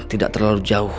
tidak terlalu jauh